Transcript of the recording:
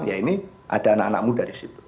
ya ini ada anak anak muda disitu